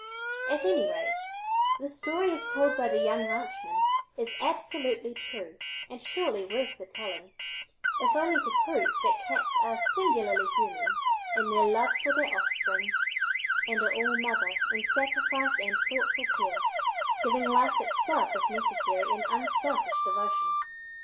At any rate, the story as told by the young ranchman is absolutely true and surely worth the telling, if only to prove that cats are singularly human in their love for their offspring, and are all mother in sacrifice and thoughtful care, giving life itself if necessary in unselfish devotion.